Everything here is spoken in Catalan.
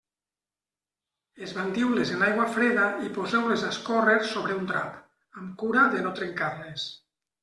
Esbandiu-les en aigua freda i poseu-les a escórrer sobre un drap, amb cura de no trencar-les.